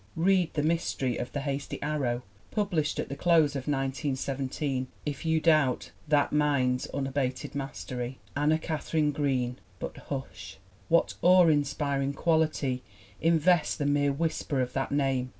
Read The Mystery of the Hasty Arrow, pub lished at the close of 1917, if you doubt that Mind's unabated mastery. Anna Katharine Green but hush ! What awe inspiring quality invests the mere whisper of that name?